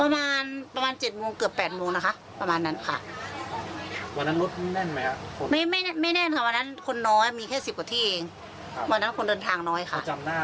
วันนั้นคนเดินทางน้อยค่ะ